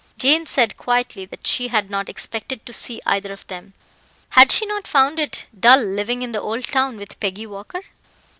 Jane said quietly that she had not expected to see either of them. Had she not found it dull living in the Old Town with Peggy Walker?